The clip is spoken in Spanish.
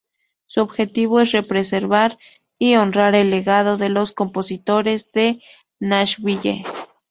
Su objetivo es preservar y honrar el legado de los compositores de Nashville.